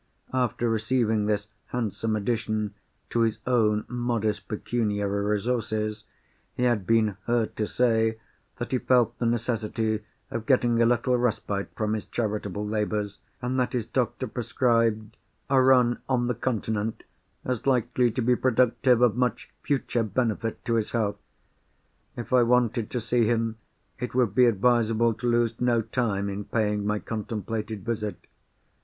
After receiving this handsome addition to his own modest pecuniary resources, he had been heard to say that he felt the necessity of getting a little respite from his charitable labours, and that his doctor prescribed "a run on the Continent, as likely to be productive of much future benefit to his health." If I wanted to see him, it would be advisable to lose no time in paying my contemplated visit.